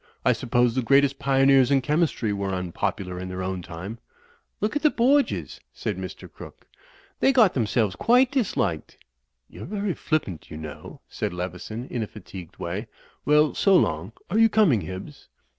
I suppose the greatest pioneers in chemistry were un popular in their own time." "Look at the Borgias," said Mr. Crooke. "They got themselves quite disliked." "You're very flippant, you know," said Leveson, in a fatigued way. "Well, so long. Are you coming, Hibbs?"